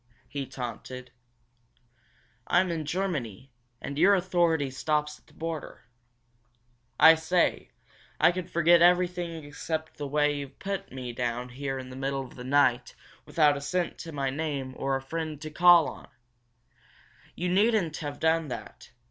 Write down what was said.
he taunted. "I'm in Germany, and your authority stops at the border! I say, I could forget everything except the way you've put me down here in the middle of the night, without a cent to my name or a friend I can call on! You needn't have done that.